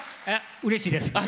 うれしいです。